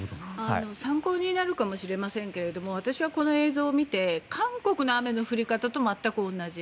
参考になるかもしれませんが私はこの映像を見て韓国の雨の降り方と全く同じ。